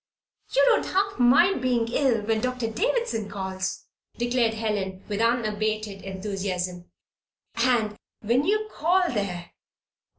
"You don't half mind being ill when Doctor Davison calls," declared Helen, with unabated enthusiasm. "And when you call there!